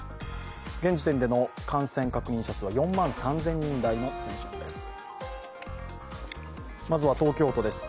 現時点での感染確認者数は４万３０００人台の数字です。